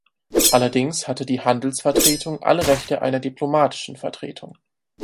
Allerdings hatte die Handelsvertretung alle Rechte einer Diplomatischen Vertretung.